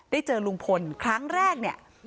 เจอลุงพลครั้งแรกเนี่ย